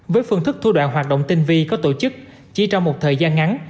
với phương thức thu đoạn hoạt động tinh vi có tổ chức chỉ trong một thời gian ngắn